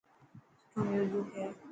سٺو ميوزڪ هي.